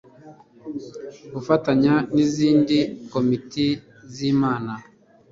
gufatanya n izindi komite z Inama